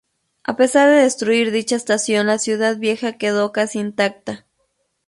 A pesar de destruir dicha estación, la ciudad vieja quedó casi intacta.